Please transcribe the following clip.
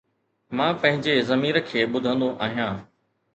مان پنهنجي ضمير کي ٻڌندو آهيان